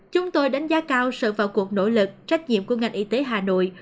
chúng tôi đánh giá cao sự vào cuộc nỗ lực trách nhiệm của ngành y tế hà nội